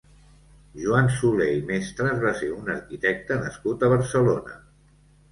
Joan Soler i Mestres va ser un arquitecte nascut a Barcelona.